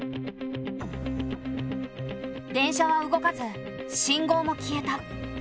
電車は動かず信号も消えた。